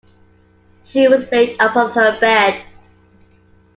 She was laid upon her bed.